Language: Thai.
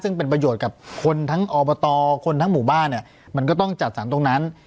ซึ่งเป็นประโยชน์กับคนทั้งอบตคนทั้งหมู่บ้านเนี่ยมันก็ต้องจัดสรรตรงนั้น